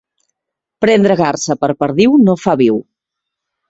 Prendre garsa per perdiu no fa viu.